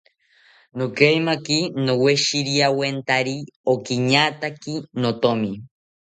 Nokaemaki noweshiriawentari okiñataki nothomi